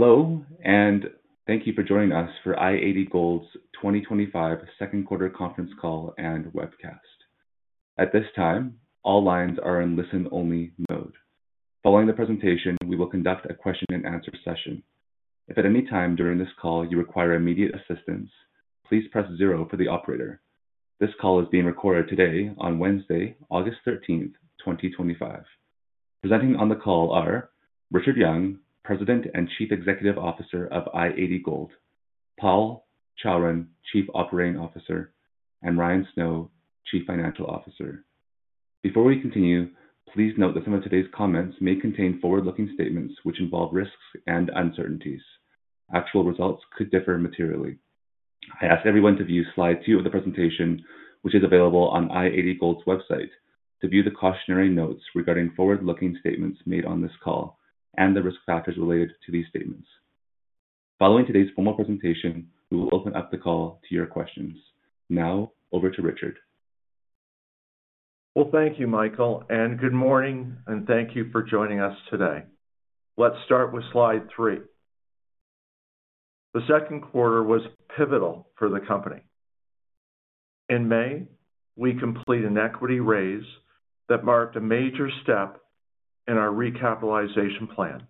Hello, and thank you for joining us for i-80 Gold's 2025 Second Quarter Conference Call and Webcast. At this time, all lines are in listen-only mode. Following the presentation, we will conduct a question-and-answer session. If at any time during this call you require immediate assistance, please press Zero for the operator. This call is being recorded today on Wednesday, August 13, 2025. Presenting on the call are Richard Young, President and Chief Executive Officer of i-80 Gold, Paul Chawrun, Chief Operating Officer, and Ryan Snow, Chief Financial Officer. Before we continue, please note that some of today's comments may contain forward-looking statements which involve risks and uncertainties. Actual results could differ materially. I ask everyone to view slide two of the presentation, which is available on i-80 Gold's website, to view the cautionary notes regarding forward-looking statements made on this call and the risk factors related to these statements. Following today's formal presentation, we will open up the call to your questions. Now, over to Richard. Thank you, Michael, and good morning, and thank you for joining us today. Let's start with slide three. The second quarter was pivotal for the company. In May, we completed an equity raise that marked a major step in our recapitalization plan,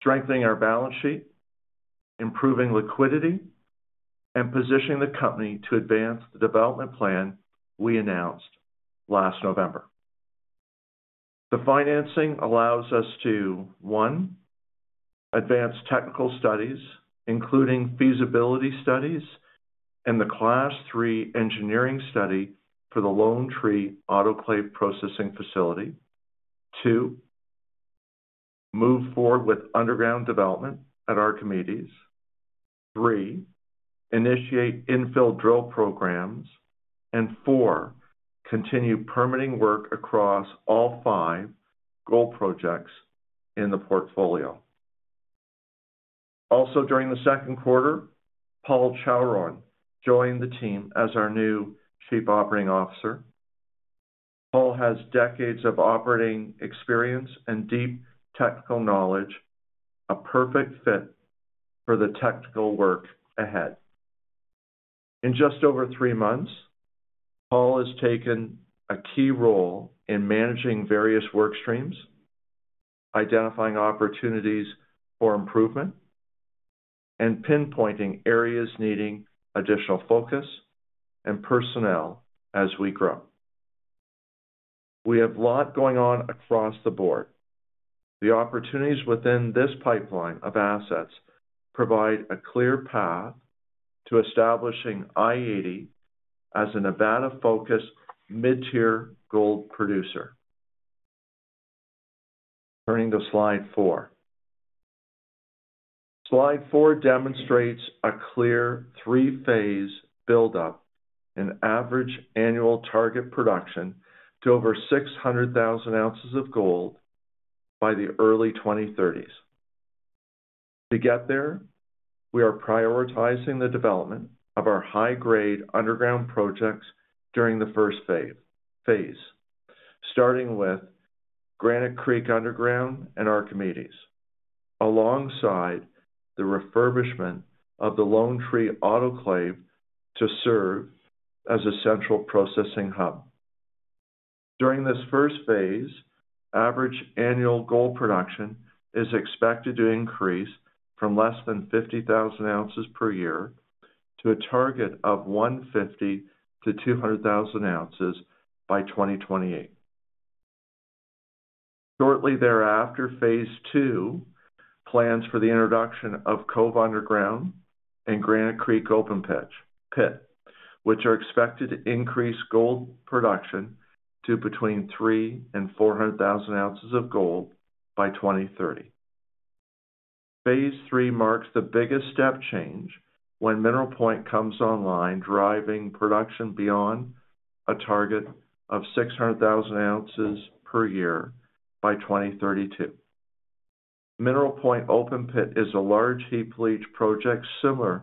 strengthening our balance sheet, improving liquidity, and positioning the company to advance the development plan we announced last November. The financing allows us to, one, advance technical studies, including feasibility studies and the class three engineering study for the Lone Tree Processing Facility, two, move forward with underground development at our committees, three, initiate infill drill programs, and four, continue permitting work across all five gold projects in the portfolio. Also, during the second quarter, Paul Chawrun joined the team as our new Chief Operating Officer. Paul has decades of operating experience and deep technical knowledge, a perfect fit for the technical work ahead. In just over three months, Paul has taken a key role in managing various workstreams, identifying opportunities for improvement, and pinpointing areas needing additional focus and personnel as we grow. We have a lot going on across the board. The opportunities within this pipeline of assets provide a clear path to establishing i-80 as a Nevada-focused mid-tier gold producer. Turning to slide four. Slide four demonstrates a clear three-phase buildup in average annual target production to over 600,000 ounces of gold by the early 2030s. To get there, we are prioritizing the development of our high-grade underground projects during the first phase, starting with Granite Creek Underground and our committees, alongside the refurbishment of the Lone Tree autoclave to serve as a central processing hub. During this first phase, average annual gold production is expected to increase from less than 50,000 ounces per year to a target of 150,000-200,000 ounces by 2028. Shortly thereafter, Phase II plans for the introduction of Cove Underground and Granite Creek Open Pit, which are expected to increase gold production to between 300,000 and 400,000 ounces of gold by 2030. Phase III marks the biggest step change when Mineral Point comes online, driving production beyond a target of 600,000 ounces per year by 2032. Mineral Point Open Pit is a large heap leach project similar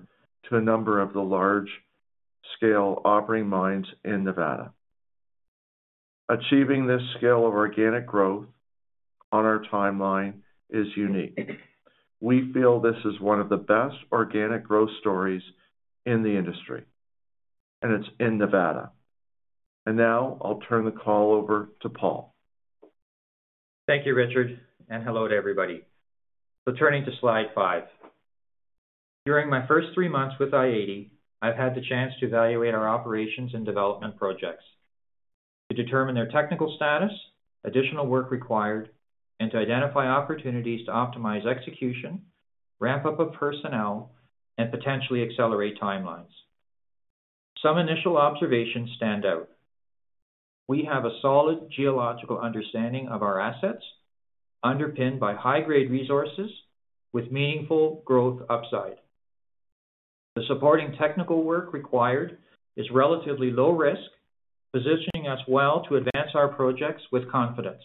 to a number of the large-scale operating mines in Nevada. Achieving this scale of organic growth on our timeline is unique. We feel this is one of the best organic growth stories in the industry, and it's in Nevada. Now I'll turn the call over to Paul. Thank you, Richard, and hello to everybody. Turning to slide five. During my first three months with i-80, I've had the chance to evaluate our operations and development projects to determine their technical status, additional work required, and to identify opportunities to optimize execution, ramp up of personnel, and potentially accelerate timelines. Some initial observations stand out. We have a solid geological understanding of our assets, underpinned by high-grade resources with meaningful growth upside. The supporting technical work required is relatively low risk, positioning us well to advance our projects with confidence.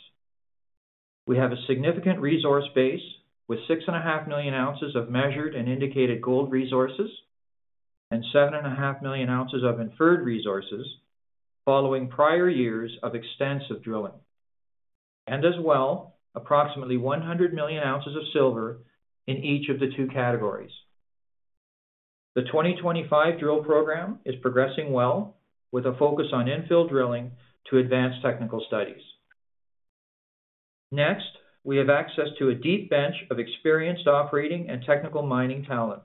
We have a significant resource base with 6.5 million ounces of measured and indicated gold resources and 7.5 million ounces of inferred resources following prior years of extensive drilling, and as well, approximately 100 million ounces of silver in each of the two categories. The 2025 drill program is progressing well with a focus on infill drilling to advance technical studies. Next, we have access to a deep bench of experienced operating and technical mining talent.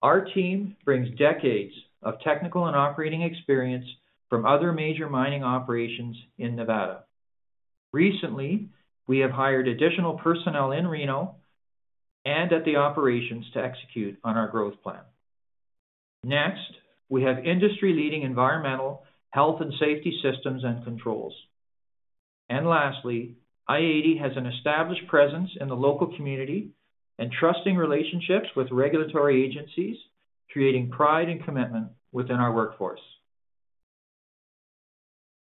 Our team brings decades of technical and operating experience from other major mining operations in Nevada. Recently, we have hired additional personnel in Reno and at the operations to execute on our growth plan. Next, we have industry-leading environmental, health, and safety systems and controls. Lastly, i-80 Gold Corp has an established presence in the local community and trusting relationships with regulatory agencies, creating pride and commitment within our workforce.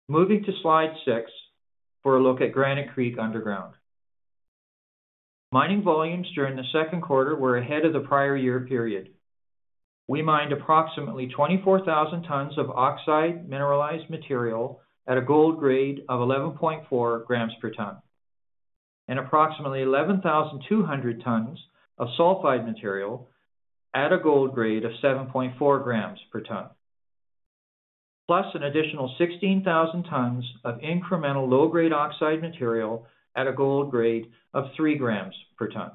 Moving to slide six for a look at Granite Creek Underground. Mining volumes during the second quarter were ahead of the prior year period. We mined approximately 24,000 tons of oxide mineralized material at a gold grade of 11.4 g per ton, and approximately 11,200 tons of sulfide material at a gold grade of 7.4 g per ton, plus an additional 16,000 tons of incremental low-grade oxide material at a gold grade of 3 g per ton.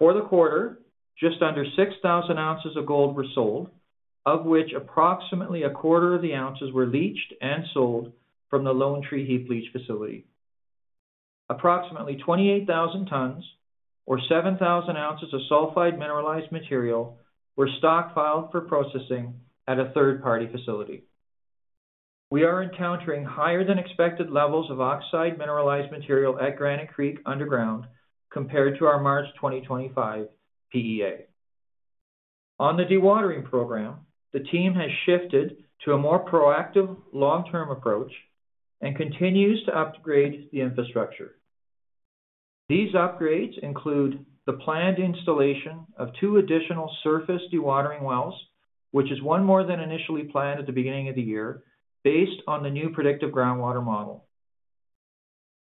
For the quarter, just under 6,000 ounces of gold were sold, of which approximately a quarter of the ounces were leached and sold from the Lone Tree Heap Leach Facility. Approximately 28,000 tons or 7,000 ounces of sulfide mineralized material were stockpiled for processing at a third-party facility. We are encountering higher than expected levels of oxide mineralized material at Granite Creek Underground compared to our March 2025 PEA. On the dewatering program, the team has shifted to a more proactive long-term approach and continues to upgrade the infrastructure. These upgrades include the planned installation of two additional surface dewatering wells, which is one more than initially planned at the beginning of the year, based on the new predictive groundwater model.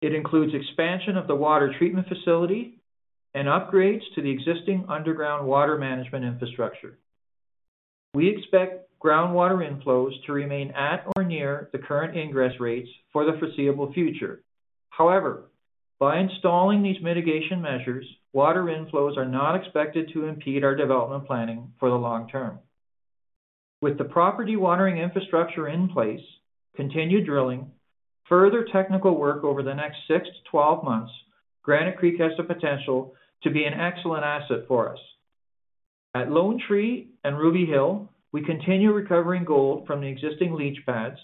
It includes expansion of the water treatment facility and upgrades to the existing underground water management infrastructure. We expect groundwater inflows to remain at or near the current ingress rates for the foreseeable future. However, by installing these mitigation measures, water inflows are not expected to impede our development planning for the long term. With the property watering infrastructure in place, continued drilling, and further technical work over the next 6-12 months, Granite Creek has the potential to be an excellent asset for us. At Lone Tree and Ruby Hill, we continue recovering gold from the existing leach pads,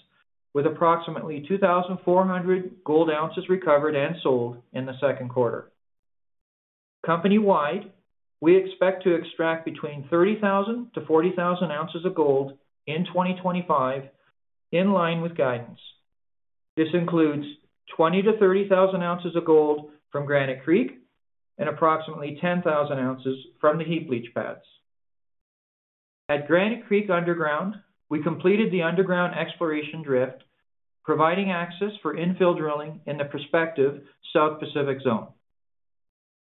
with approximately 2,400 gold ounces recovered and sold in the second quarter. Company-wide, we expect to extract between 30,000-40,000 ounces of gold in 2025, in line with guidance. This includes 20,000-30,000 ounces of gold from Granite Creek and approximately 10,000 ounces from the heap leach pads. At Granite Creek Underground, we completed the underground exploration drift, providing access for infill drilling in the prospective South Pacific Zone.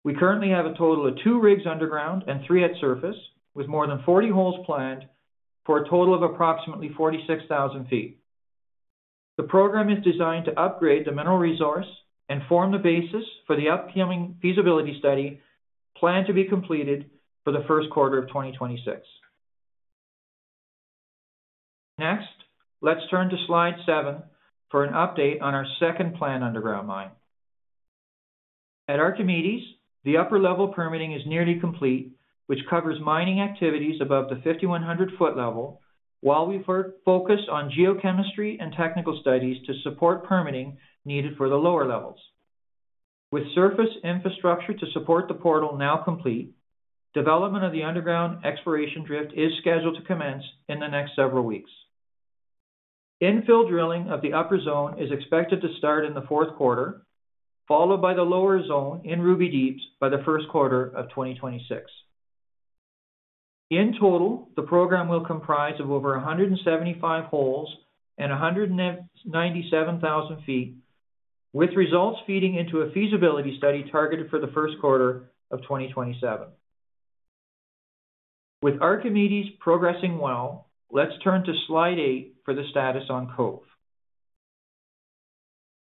We currently have a total of two rigs underground and three at surface, with more than 40 holes planned for a total of approximately 46,000 ft. The program is designed to upgrade the mineral resource and form the basis for the upcoming feasibility study planned to be completed for the first quarter of 2026. Next, let's turn to slide seven for an update on our second planned underground mine. At Archimedes, the upper-level permitting is nearly complete, which covers mining activities above the 5,100-ft level, while we focus on geochemistry and technical studies to support permitting needed for the lower levels. With surface infrastructure to support the portal now complete, development of the underground exploration drift is scheduled to commence in the next several weeks. Infill drilling of the upper zone is expected to start in the fourth quarter, followed by the lower zone in Ruby Deeps by the first quarter of 2026. In total, the program will comprise over 175 holes and 197,000 ft, with results feeding into a feasibility study targeted for the first quarter of 2027. With Archimedes progressing well, let's turn to slide eight for the status on Cove.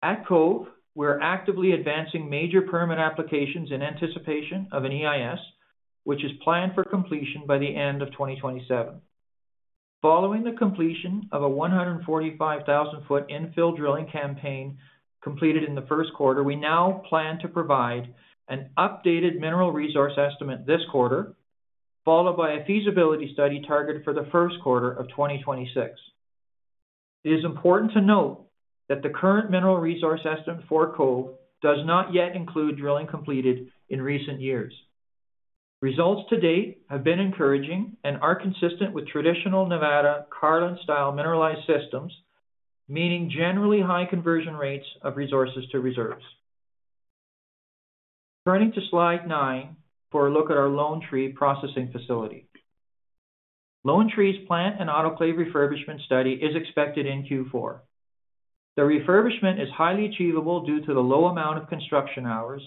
At Cove, we're actively advancing major permit applications in anticipation of an EIS, which is planned for completion by the end of 2027. Following the completion of a 145,000-ft infill drilling campaign completed in the first quarter, we now plan to provide an updated mineral resource estimate this quarter, followed by a feasibility study targeted for the first quarter of 2026. It is important to note that the current mineral resource estimate for Cove does not yet include drilling completed in recent years. Results to date have been encouraging and are consistent with traditional Nevada Carlin-style mineralized systems, meaning generally high conversion rates of resources to reserves. Turning to slide nine for a look at our Lone Tree Processing Facility. Lone Tree's plant and autoclave refurbishment study is expected in Q4. The refurbishment is highly achievable due to the low amount of construction hours,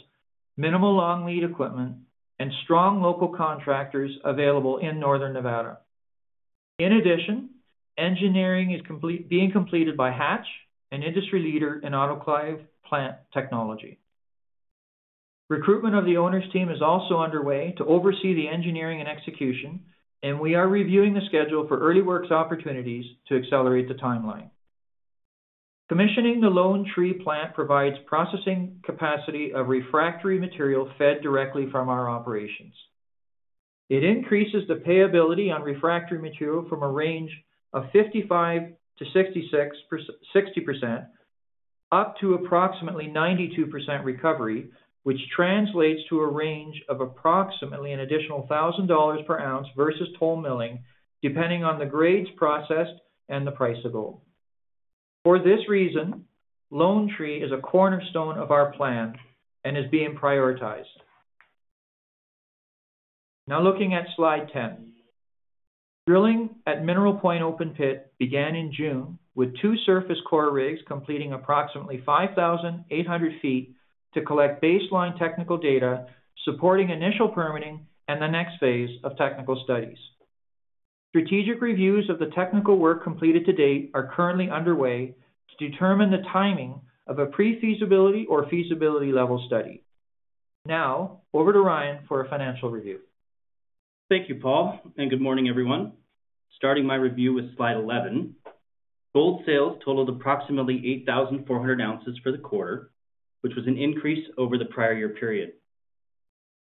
minimal long lead equipment, and strong local contractors available in Northern Nevada. In addition, engineering is being completed by Hatch, an industry leader in autoclave plant technology. Recruitment of the owner's team is also underway to oversee the engineering and execution, and we are reviewing a schedule for early works opportunities to accelerate the timeline. Commissioning the Lone Tree plant provides processing capacity of refractory material fed directly from our operations. It increases the payability on refractory material from a range of 55%-60% up to approximately 92% recovery, which translates to a range of approximately an additional $1,000 per ounce versus toll milling, depending on the grades processed and the price of gold. For this reason, Lone Tree is a cornerstone of our plan and is being prioritized. Now looking at slide ten. Drilling at Mineral Point Open Pit began in June, with two surface core rigs completing approximately 5,800 ft to collect baseline technical data supporting initial permitting and the next phase of technical studies. Strategic reviews of the technical work completed to date are currently underway to determine the timing of a pre-feasibility or feasibility level study. Now over to Ryan for a financial review. Thank you, Paul, and good morning, everyone. Starting my review with slide 11, gold sales totaled approximately 8,400 ounces for the quarter, which was an increase over the prior year period.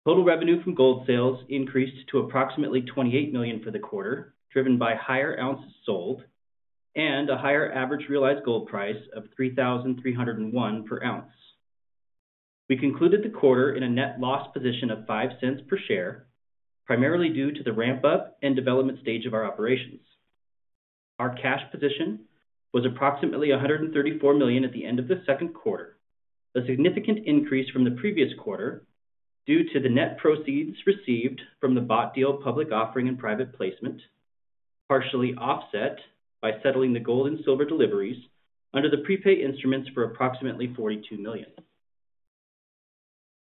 Total revenue from gold sales increased to approximately $28 million for the quarter, driven by higher ounces sold and a higher average realized gold price of $3,301 per ounce. We concluded the quarter in a net loss position of $0.05 per share, primarily due to the ramp-up and development stage of our operations. Our cash position was approximately $134 million at the end of the second quarter, a significant increase from the previous quarter due to the net proceeds received from the bought deal public offering and private placement, partially offset by settling the gold and silver deliveries under the prepay instruments for approximately $42 million.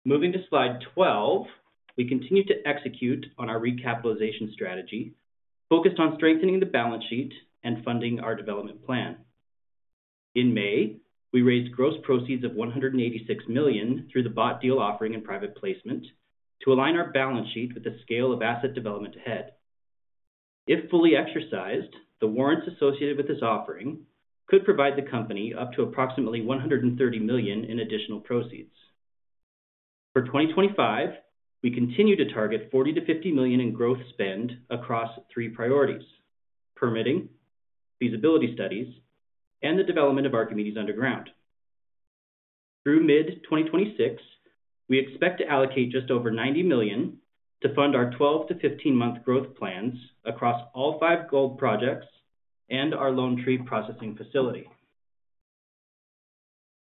Moving to slide 12, we continue to execute on our recapitalization strategy, focused on strengthening the balance sheet and funding our development plan. In May, we raised gross proceeds of $186 million through the bought deal offering and private placement to align our balance sheet with the scale of asset development ahead. If fully exercised, the warrants associated with this offering could provide the company up to approximately $130 million in additional proceeds. For 2025, we continue to target $40 million-$50 million in growth spend across three priorities: permitting, feasibility studies, and the development of Archimedes Underground. Through mid-2026, we expect to allocate just over $90 million to fund our 12-15-month growth plans across all five gold projects and our Lone Tree Processing Facility.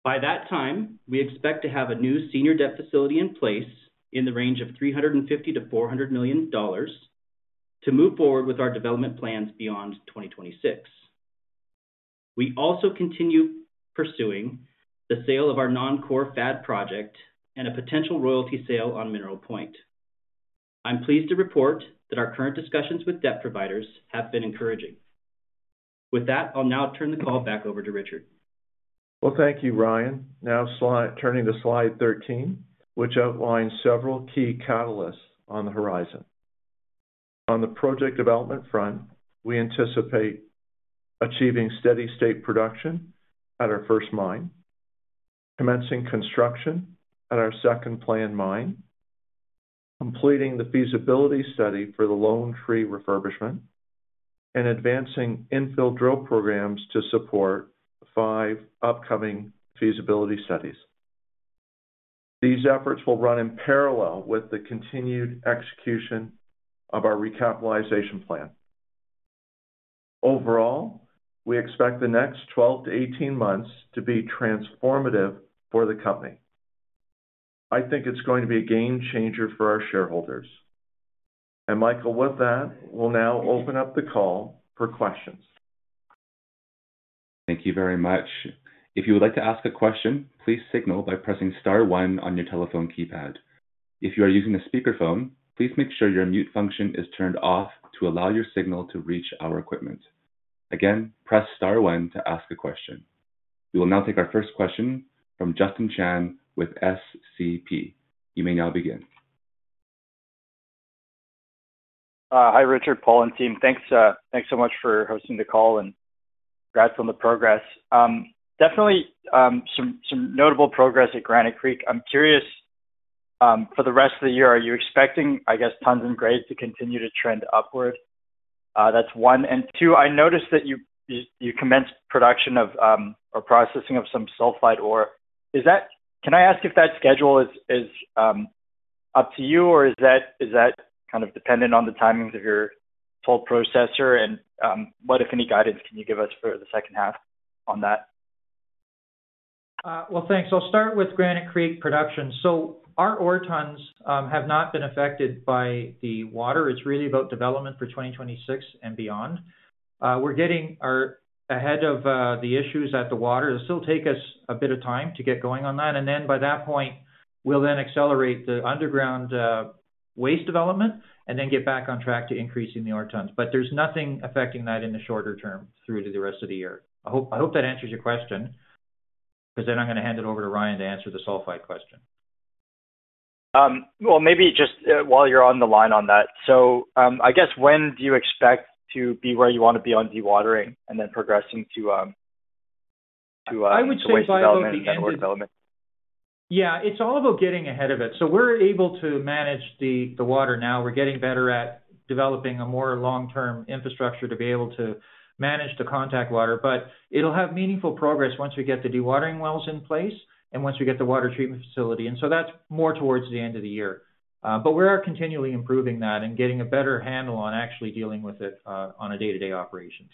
By that time, we expect to have a new senior debt facility in place in the range of $350 million-$400 million to move forward with our development plans beyond 2026. We also continue pursuing the sale of our non-core FAD project and a potential royalty sale on Mineral Point. I'm pleased to report that our current discussions with debt providers have been encouraging. With that, I'll now turn the call back over to Richard. Thank you, Ryan. Now turning to slide 13, which outlines several key catalysts on the horizon. On the project development front, we anticipate achieving steady state production at our first mine, commencing construction at our second planned mine, completing the feasibility study for the Lone Tree refurbishment, and advancing infill drill programs to support the five upcoming feasibility studies. These efforts will run in parallel with the continued execution of our recapitalization plan. Overall, we expect the next 12-18 months to be transformative for the company. I think it's going to be a game changer for our shareholders. Michael, with that, we'll now open up the call for questions. Thank you very much. If you would like to ask a question, please signal by pressing Star, one on your telephone keypad. If you are using a speakerphone, please make sure your mute function is turned off to allow your signal to reach our equipment. Again, press Star one to ask a question. We will now take our first question from Justin Chan with SCP. You may now begin. Hi, Richard, Paul, and team. Thanks so much for hosting the call and congrats on the progress. Definitely some notable progress at Granite Creek. I'm curious, for the rest of the year, are you expecting, I guess, tons and grades to continue to trend upward? That's one. Two, I noticed that you commenced production of or processing of some sulfide ore. Can I ask if that schedule is up to you, or is that kind of dependent on the timings of your full processor? What, if any, guidance can you give us for the second half on that? Thank you. I'll start with Granite Creek production. Our ore tons have not been affected by the water. It's really about development for 2026 and beyond. We're getting ahead of the issues at the water. It'll still take us a bit of time to get going on that. By that point, we'll then accelerate the underground waste development and get back on track to increasing the ore tons. There's nothing affecting that in the shorter term through to the rest of the year. I hope that answers your question because I'm going to hand it over to Ryan to answer the sulfide question. Maybe just while you're on the line on that, I guess when do you expect to be where you want to be on dewatering and then progressing to. I would say by about the end of the development, it's all about getting ahead of it. We're able to manage the water now. We're getting better at developing a more long-term infrastructure to be able to manage the contact water. It'll have meaningful progress once we get the dewatering wells in place and once we get the water treatment facility. That is more towards the end of the year. We are continually improving that and getting a better handle on actually dealing with it on a day-to-day operations.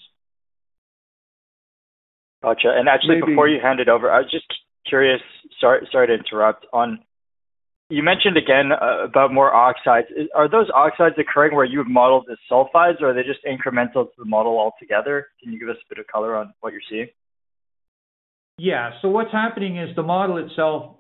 Gotcha. Before you hand it over, I was just curious, sorry to interrupt, you mentioned again about more oxides. Are those oxides occurring where you have modeled the sulfides, or are they just incremental to the model altogether? Can you give us a bit of color on what you're seeing? Yeah. What's happening is the model itself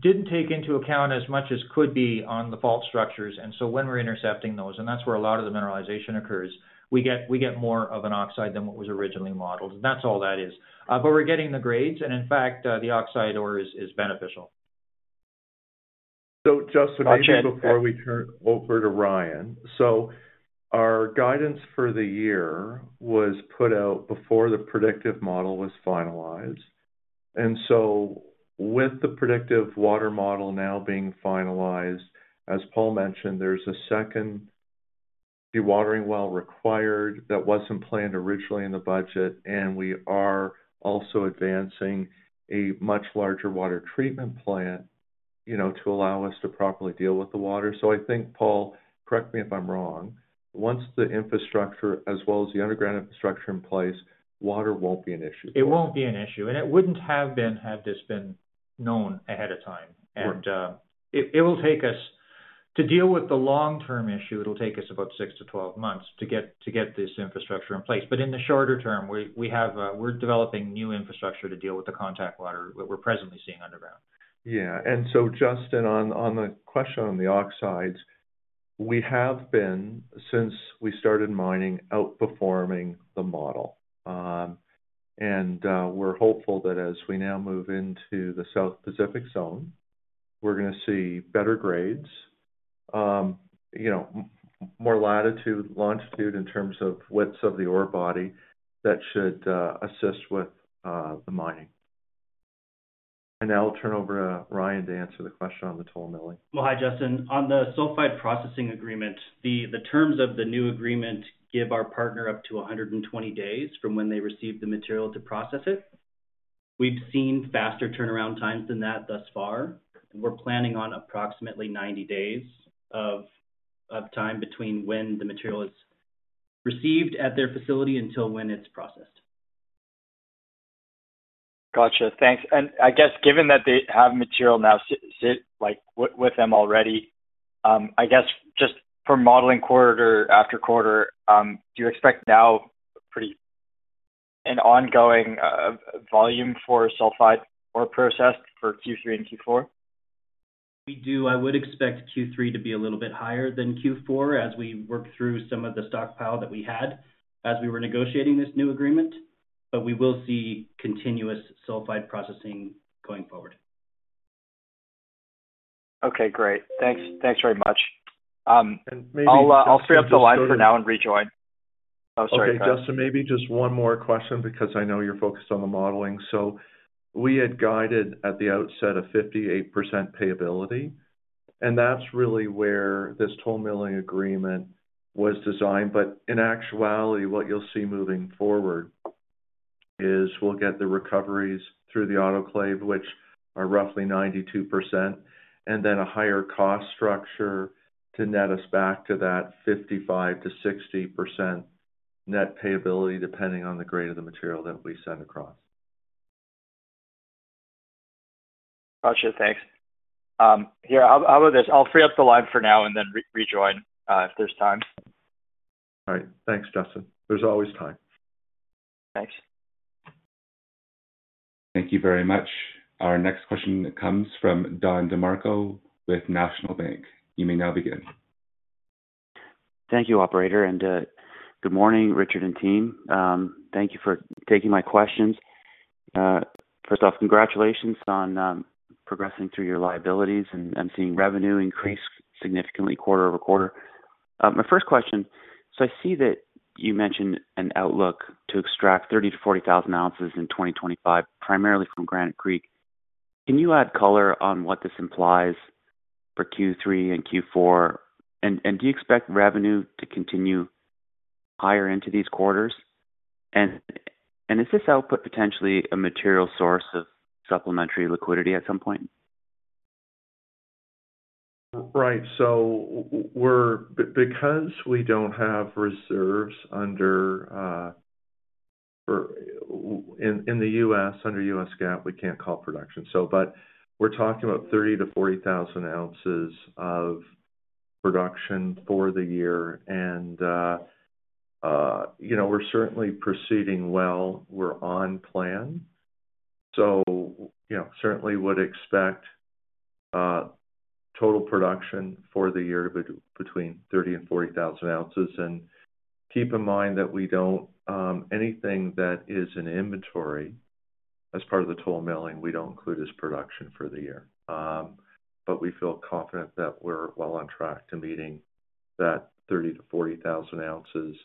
didn't take into account as much as could be on the fault structures. When we're intercepting those, and that's where a lot of the mineralization occurs, we get more of an oxide than what was originally modeled. That's all that is. We're getting the grades, and in fact, the oxide ore is beneficial. Justin, before we turn over to Ryan, our guidance for the year was put out before the predictive model was finalized. With the predictive water model now being finalized, as Paul mentioned, there's a second dewatering well required that wasn't planned originally in the budget. We are also advancing a much larger water treatment plant to allow us to properly deal with the water. I think, Paul, correct me if I'm wrong, once the infrastructure, as well as the underground infrastructure, is in place, water won't be an issue. It won't be an issue. It wouldn't have been had this been known ahead of time. It will take us to deal with the long-term issue. It'll take us about 6-12 months to get this infrastructure in place. In the shorter-term, we're developing new infrastructure to deal with the contact water that we're presently seeing underground. Yeah. Justin, on the question on the oxides, we have been, since we started mining, outperforming the model. We're hopeful that as we now move into the South Pacific Zone, we're going to see better grades, more latitude, longitude in terms of widths of the ore body that should assist with the mining. Now I'll turn over to Ryan to answer the question on the toll milling. Hi, Justin. On the sulfide processing agreement, the terms of the new agreement give our partner up to 120 days from when they receive the material to process it. We've seen faster turnaround times than that thus far. We're planning on approximately 90 days of time between when the material is received at their facility until when it's processed. Gotcha. Thanks. I guess given that they have material now sit like with them already, I guess just for modeling quarter after quarter, do you expect now pretty an ongoing volume for sulfide ore processed for Q3 and Q4? We do. I would expect Q3 to be a little bit higher than Q4 as we work through some of the stockpile that we had as we were negotiating this new agreement. We will see continuous sulfide processing going forward. Okay, great. Thanks. Thanks very much. Maybe I'll free up the line for now and rejoin. Okay, Justin, maybe just one more question because I know you're focused on the modeling. We had guided at the outset at 58% payability, and that's really where this toll milling agreement was designed. In actuality, what you'll see moving forward is we'll get the recoveries through the autoclave, which are roughly 92%, and then a higher cost structure to net us back to that 55%-60% net payability, depending on the grade of the material that we send across. Gotcha. Thanks. Here, how about this? I'll free up the line for now and then rejoin if there's time. All right. Thanks, Justin. There's always time. Thanks. Thank you very much. Our next question comes from Don DeMarco with National Bank. You may now begin. Thank you, operator. Good morning, Richard and team. Thank you for taking my questions. First off, congratulations on progressing through your liabilities and seeing revenue increase significantly quarter-over-quarter. My first question, I see that you mentioned an outlook to extract 30,000-40,000 ounces in 2025, primarily from Granite Creek. Can you add color on what this implies for Q3 and Q4? Do you expect revenue to continue higher into these quarters? Is this output potentially a material source of supplementary liquidity at some point? Right. Because we don't have reserves in the U.S. under U.S. GAAP, we can't call production. We're talking about 30,000-40,000 ounces of production for the year, and we're certainly proceeding well. We're on plan, so certainly would expect total production for the year to be between 30,000 and 40,000 ounces. Keep in mind that we don't include anything that is in inventory as part of the toll milling as production for the year. We feel confident that we're well on track to meeting that 30,000-40,000 ounces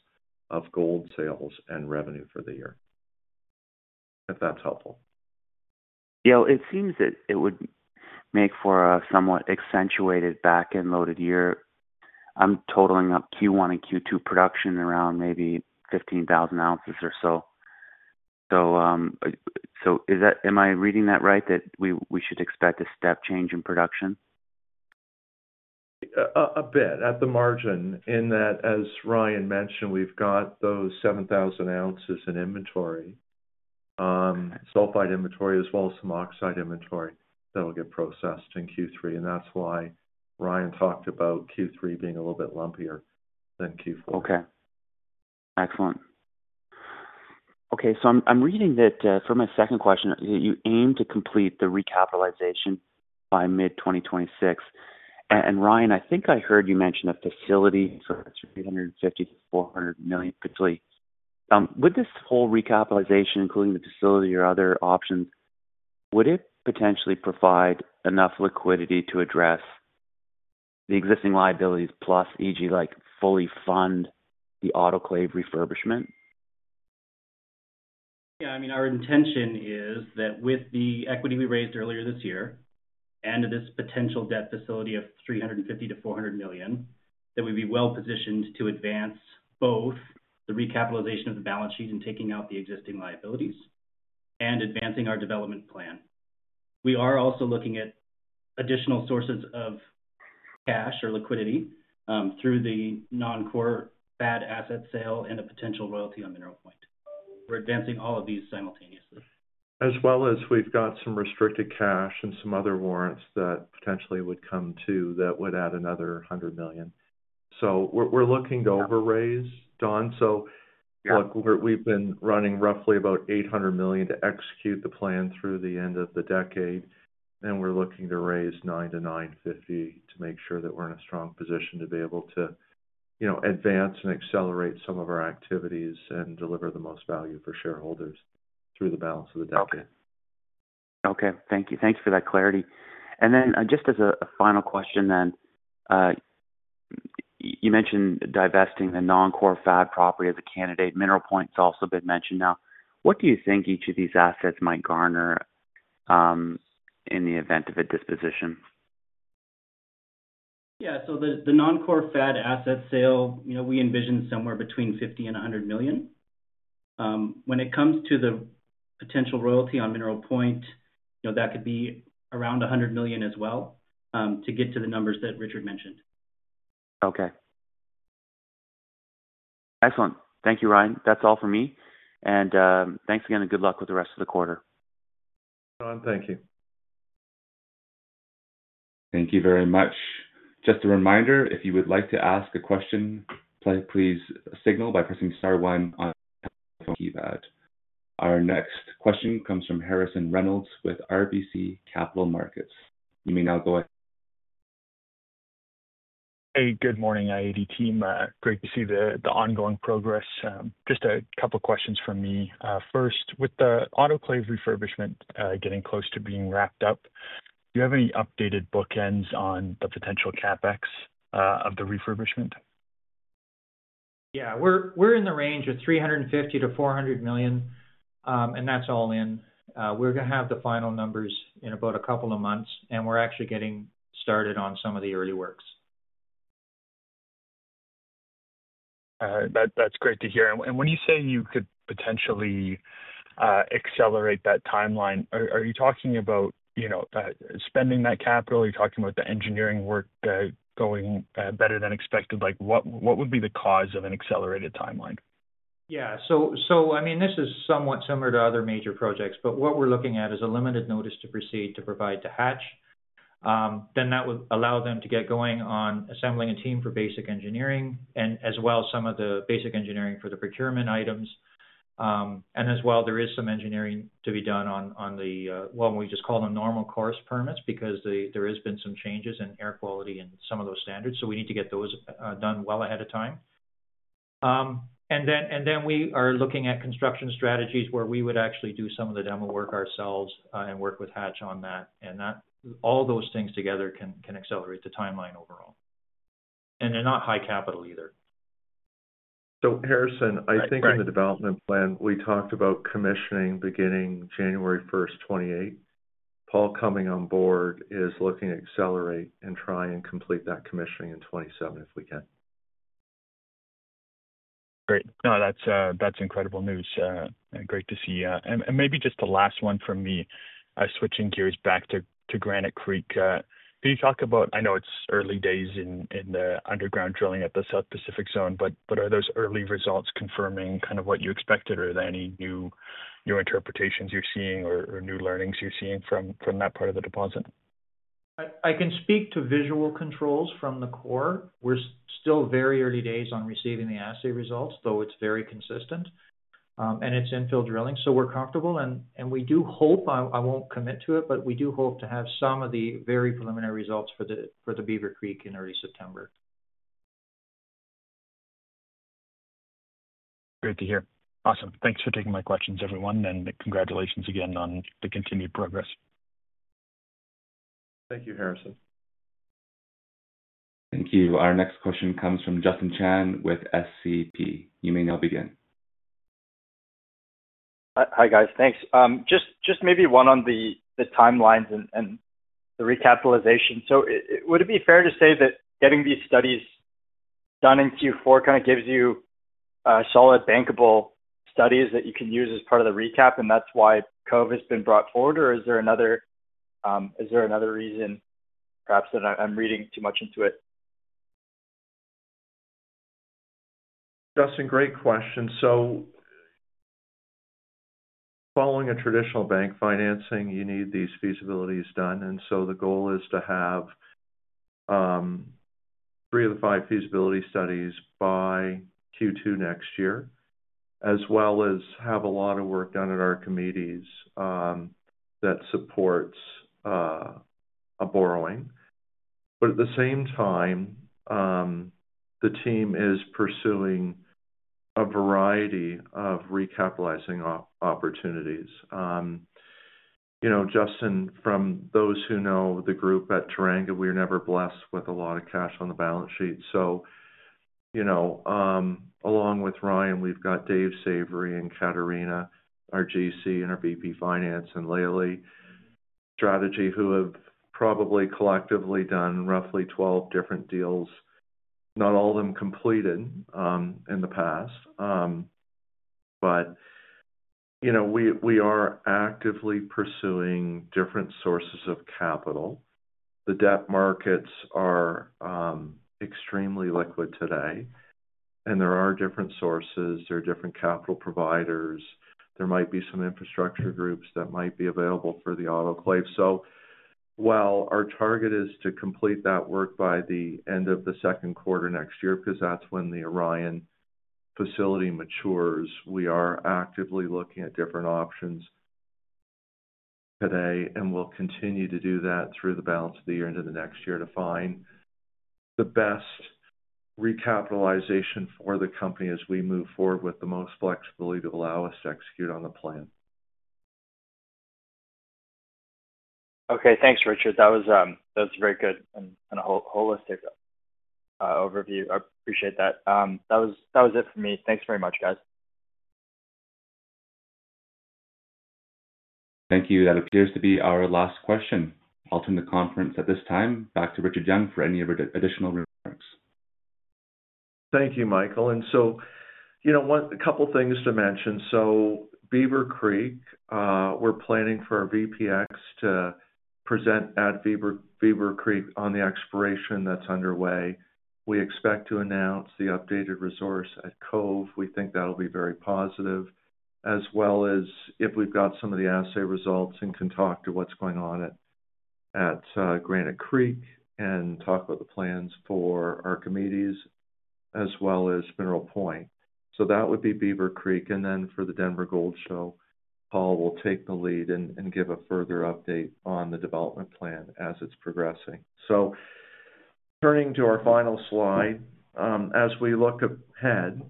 of gold sales and revenue for the year, if that's helpful. Yeah, it seems that it would make for a somewhat accentuated back-end loaded year. I'm totaling up Q1 and Q2 production around maybe 15,000 ounces or so. Is that, am I reading that right that we should expect a step change in production? A bit at the margin in that, as Ryan mentioned, we've got those 7,000 ounces in inventory, sulfide inventory as well as some oxide inventory that will get processed in Q3. That's why Ryan talked about Q3 being a little bit lumpier than Q4. Okay. Excellent. I'm reading that for my second question, you aim to complete the recapitalization by mid-2026. Ryan, I think I heard you mention a facility, so that's a $350 million-$400 million facility. Would this whole recapitalization, including the facility or other options, potentially provide enough liquidity to address the existing liabilities, plus, for example, like fully fund the autoclave refurbishment? Yeah, I mean, our intention is that with the equity we raised earlier this year and this potential debt facility of $350 million-$400 million, that we'd be well positioned to advance both the recapitalization of the balance sheet and taking out the existing liabilities and advancing our development plan. We are also looking at additional sources of cash or liquidity through the non-core FAD asset sale and a potential royalty on Mineral Point. We're advancing all of these simultaneously. As well as we've got some restricted cash and some other warrants that potentially would come to that would add another $100 million. We're looking to over raise, Don. We've been running roughly about $800 million to execute the plan through the end of the decade, and we're looking to raise $900 million-$950 million to make sure that we're in a strong position to be able to, you know, advance and accelerate some of our activities and deliver the most value for shareholders through the balance of the debt. Okay, thank you. Thank you for that clarity. Just as a final question, you mentioned divesting the non-core FAD project as a candidate. Mineral Point's also been mentioned. What do you think each of these assets might garner in the event of a disposition? Yeah, the non-core FAD asset sale, you know, we envision somewhere between $50 million and $100 million. When it comes to the potential royalty on Mineral Point, you know, that could be around $100 million as well to get to the numbers that Richard mentioned. Okay. Excellent. Thank you, Ryan. That's all for me. Thanks again, and good luck with the rest of the quarter. Don, thank you. Thank you very much. Just a reminder, if you would like to ask a question, please signal by pressing star one on the keypad. Our next question comes from Harrison Reynolds with RBC Capital Markets. You may now go ahead. Hey, good morning, i-80 team. Great to see the ongoing progress. Just a couple of questions from me. First, with the autoclave refurbishment getting close to being wrapped up, do you have any updated bookends on the potential CapEx of the refurbishment? Yeah, we're in the range of $350 million-$400 million, and that's all in. We're going to have the final numbers in about a couple of months, and we're actually getting started on some of the early works. That's great to hear. When you say you could potentially accelerate that timeline, are you talking about spending that capital? Are you talking about the engineering work going better than expected? What would be the cause of an accelerated timeline? This is somewhat similar to other major projects, but what we're looking at is a limited notice to proceed to provide to Hatch. That would allow them to get going on assembling a team for basic engineering, and as well, some of the basic engineering for the procurement items. There is some engineering to be done on the, we just call them normal course permits because there have been some changes in air quality and some of those standards. We need to get those done well ahead of time. We are looking at construction strategies where we would actually do some of the demo work ourselves and work with Hatch on that. All those things together can accelerate the timeline overall. They're not high capital either. I think in the development plan, we talked about commissioning beginning January 1, 2028. Paul coming on board is looking to accelerate and try and complete that commissioning in 2027 if we can. Great. No, that's incredible news. Great to see. Maybe just the last one from me, switching gears back to Granite Creek. Can you talk about, I know it's early days in the underground drilling at the South Pacific Zone, but are those early results confirming kind of what you expected, or are there any new interpretations you're seeing or new learnings you're seeing from that part of the deposit? I can speak to visual controls from the core. We're still very early days on receiving the assay results, though it's very consistent. It's infill drilling, so we're comfortable. We do hope, I won't commit to it, but we do hope to have some of the very preliminary results for the Beaver Creek in early September. Great to hear. Thanks for taking my questions, everyone, and congratulations again on the continued progress. Thank you, Harrison. Thank you. Our next question comes from Justin Chan with SCP. You may now begin. Hi, guys. Thanks. Just maybe one on the timelines and the recapitalization. Would it be fair to say that getting these studies done in Q4 gives you solid bankable studies that you can use as part of the recap, and that's why Cove has been brought forward, or is there another reason perhaps that I'm reading too much into it? Justin, great question. Following a traditional bank financing, you need these feasibilities done. The goal is to have three of the five feasibility studies by Q2 next year, as well as have a lot of work done at our committees that supports a borrowing. At the same time, the team is pursuing a variety of recapitalizing opportunities. Justin, from those who know the group at Turanga, we were never blessed with a lot of cash on the balance sheet. Along with Ryan, we've got Dave Savory and Katarina, our GC and our VP Finance, and Layla Strategy, who have probably collectively done roughly 12 different deals, not all of them completed in the past. We are actively pursuing different sources of capital. The debt markets are extremely liquid today, and there are different sources. There are different capital providers. There might be some infrastructure groups that might be available for the autoclave. Our target is to complete that work by the end of the second quarter next year, because that's when the Orion facility matures. We are actively looking at different options today, and we'll continue to do that through the balance of the year into the next year to find the best recapitalization for the company as we move forward with the most flexibility to allow us to execute on the plan. Okay, thanks, Richard. That was a very good and holistic overview. I appreciate that. That was it for me. Thanks very much, guys. Thank you. That appears to be our last question. I'll turn the conference at this time back to Richard Young for any of your additional remarks. Thank you, Michael. A couple of things to mention. Beaver Creek, we're planning for our VPX to present at Beaver Creek on the exploration that's underway. We expect to announce the updated resource at Cove. We think that'll be very positive, as well as if we've got some of the assay results and can talk to what's going on at Granite Creek and talk about the plans for Archimedes, as well as Mineral Point. That would be Beaver Creek. For the Denver Gold Show, Paul will take the lead and give a further update on the development plan as it's progressing. Turning to our final slide, as we look ahead,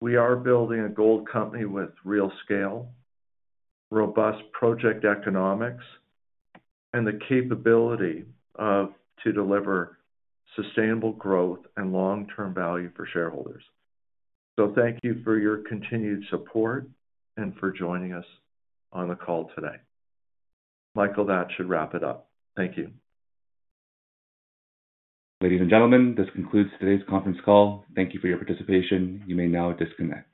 we are building a gold company with real scale, robust project economics, and the capability to deliver sustainable growth and long-term value for shareholders. Thank you for your continued support and for joining us on the call today. Michael, that should wrap it up. Thank you. Ladies and gentlemen, this concludes today's conference call. Thank you for your participation. You may now disconnect.